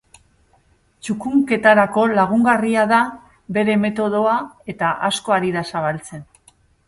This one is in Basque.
Txukunketarako lagungarria da bere metodoa eta asko ari da zabaltzen.